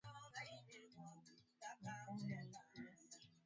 milki hadi MisriUhindi na Ugiriki Milki hiyo ilikwisha baada ya